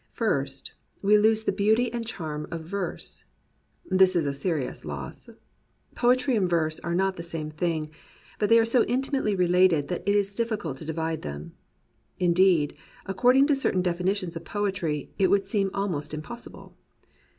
First, we lose the beauty and the charm of verse. This is a serious loss. Poetry and verse are not the same thing, but they are so intimately related that it is difficult to divide them. Indeed, according to certain definitions of poetry, it would seem almost impossible.